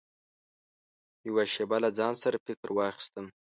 يوه شېبه له ځان سره فکر واخيستم .